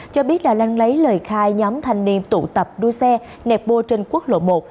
cho biết là lăng lấy lời khai nhóm thanh niên tụ tập đua xe nẹp bô trên quốc lộ một